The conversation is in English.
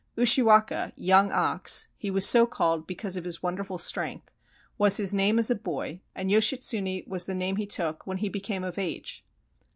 Ushiwaka (Young Ox — he was so called because of his wonderful strength) was his name as a boy, and Yoshitsune was the name he took when he became of age.